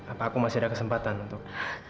apa aku masih ada kesempatan untuk